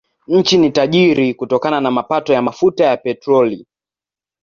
Nchi ni tajiri kutokana na mapato ya mafuta ya petroli.